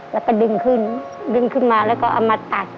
แล้วก็ดึงขึ้นดึงขึ้นมาแล้วก็เอามาตัด